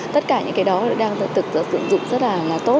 tất cả những cái đó đang thực sự sử dụng rất là tốt